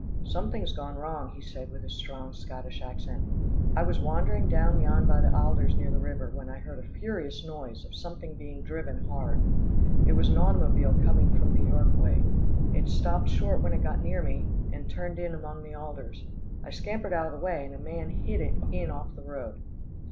"Something's gone wrong," he said with his strong, Scottish accent. "I was wandering down yon by the alders near the river, when I heard a furious noise of something being driven hard. It was an automobile coming from New York way. It stopped short when it got near me, and turned in among the alders. I scampered out of the way, and a man hid it in off the road.